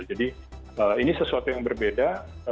jadi ini sesuatu yang berbeda